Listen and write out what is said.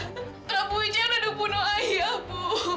perabu bijaya udah bunuh ayah bu